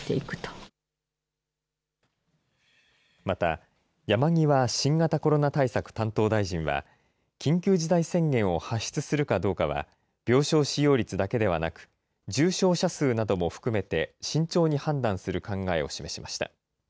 また、山際新型コロナ対策担当大臣は、緊急事態宣言を発出するかどうかは、病床使用率だけではなく、重症者数なども含めて慎重に判断する考えを示しました。